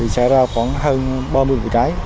sẽ ra khoảng hơn ba mươi vụ trái